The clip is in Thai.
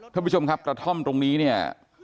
ท่านผู้ชมครับกระท่อมตรงนี้เนี่ย